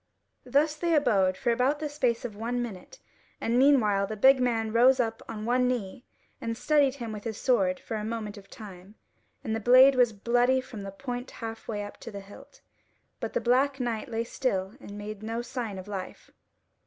Thus they abode for about the space of one minute: and meanwhile the big man rose up on one knee and steadied him with his sword for a moment of time, and the blade was bloody from the point half way up to the hilt; but the black knight lay still and made no sign of life.